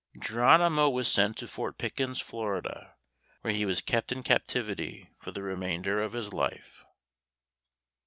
Geronimo was sent to Fort Pickens, Florida, where he was kept in captivity for the remainder of his life.